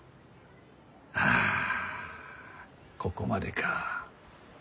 あここまでか。